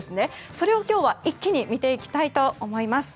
それを今日は一気に見ていきたいと思います。